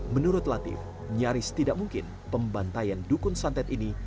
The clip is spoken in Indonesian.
menurut latif nyaris tidak mungkin pembantaian dukun santet ini